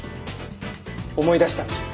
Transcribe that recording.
思い出したんです。